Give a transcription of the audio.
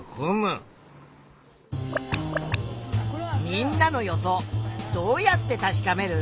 みんなの予想どうやって確かめる？